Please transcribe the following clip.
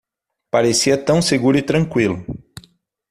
Parecia tão seguro e tranquilo.